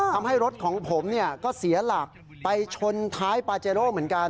ทำให้รถของผมก็เสียหลักไปชนท้ายปาเจโร่เหมือนกัน